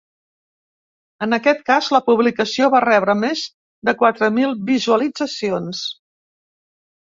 En aquest cas, la publicació va rebre més de quatre mil visualitzacions.